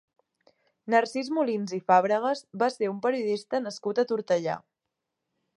Narcís Molins i Fàbregas va ser un periodista nascut a Tortellà.